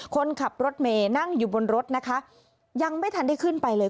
คนขับรถเมย์นั่งอยู่บนรถนะคะยังไม่ทันได้ขึ้นไปเลย